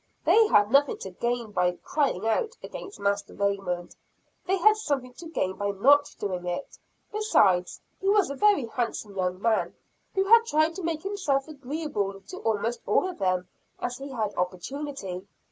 They had nothing to gain by "crying out" against Master Raymond, they had something to gain by not doing it; besides, he was a very handsome young man, who had tried to make himself agreeable to almost all of them as he had opportunity.